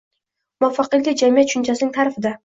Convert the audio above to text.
«Muvaffaqiyatli jamiyat» tushunchasining ta’rifida